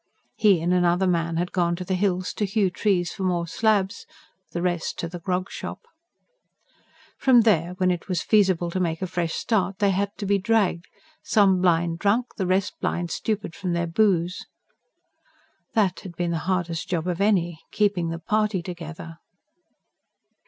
He and another man had gone to the hills, to hew trees for more slabs; the rest to the grog shop. From there, when it was feasible to make a fresh start, they had to be dragged, some blind drunk, the rest blind stupid from their booze. That had been the hardest job of any: keeping the party together.